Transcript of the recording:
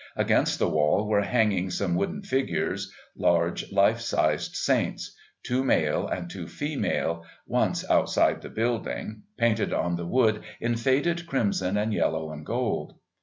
Against the wall were hanging some wooden figures, large life sized saints, two male and two female, once outside the building, painted on the wood in faded crimson and yellow and gold.